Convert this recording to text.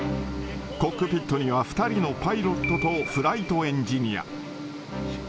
コックピットには２人のパイロットとフライトエンジニア。